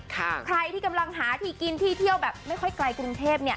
ใครที่กำลังหาที่กินที่เที่ยวแบบไม่ค่อยไกลกรุงเทพ